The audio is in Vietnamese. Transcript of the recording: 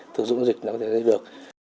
thử dụng giao dịch để có thể gây được